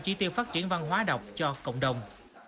chỉ tiêu phát triển văn hóa đọc cho cộng đồng